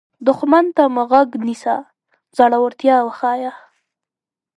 دښمن ته مه غوږ نیسه، زړورتیا وښیه